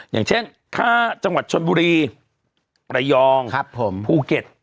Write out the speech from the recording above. อย่างเช่นค่าจังหวัดชนบุรีระยองภูเก็ต